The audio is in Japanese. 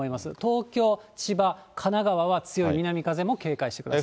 東京、千葉、神奈川は、強い南風も警戒してください。